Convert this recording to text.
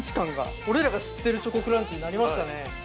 俺らが知ってるチョコクランチになりましたね。